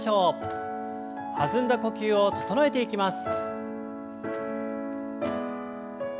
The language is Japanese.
弾んだ呼吸を整えていきます。